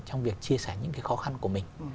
trong việc chia sẻ những cái khó khăn của mình